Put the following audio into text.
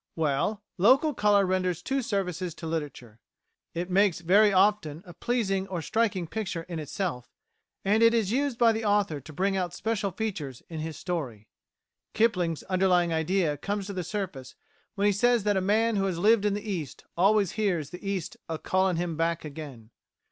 Well, local colour renders two services to literature; it makes very often a pleasing or a striking picture in itself; and it is used by the author to bring out special features in his story. Kipling's underlying idea comes to the surface when he says that a man who has lived in the East always hears the East "a callin'" him back again.